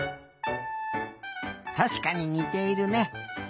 たしかににているね。